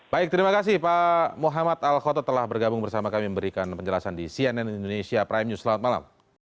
baik terima kasih pak muhammad al khotot telah bergabung bersama kami memberikan penjelasan di cnn indonesia prime news selamat malam